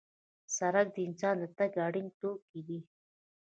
سړک د انسان د تګ اړین توکی دی.